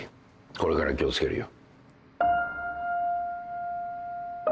これから気を付けるよ。